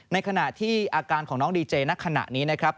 ในขณะที่อาการของน้องดีเจณขณะนี้นะครับ